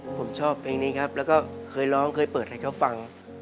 ผมชอบเพลงนี้ครับแล้วเค้อเปียยงเค้อดลิขำฟัง